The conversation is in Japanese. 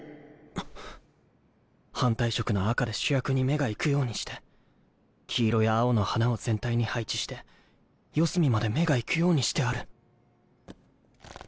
反対色の赤で主役に目が行くようにして黄色や青の花を全体に配置してミーンミーンおはよう八虎。